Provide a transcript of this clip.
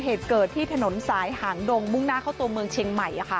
เหตุเกิดที่ถนนสายหางดงมุ่งหน้าเข้าตัวเมืองเชียงใหม่